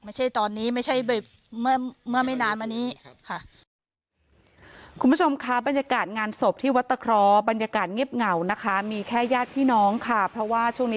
ไม่ใช่ตอนนี้ไม่ใช่เมื่อไม่นานมานี้ค่ะคุณผู้ชมค่ะ